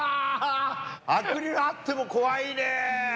アクリルあっても怖いね。